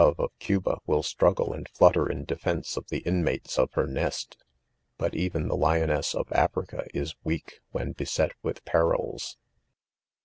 e of Cu ba will struggle and flutter m defence of the inmates of her nest .; but even the lioness of Africa. is weak when beset with perils.